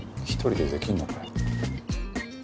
一人でできんのかよ。